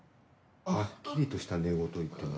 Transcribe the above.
はっきりとした寝言言ってる。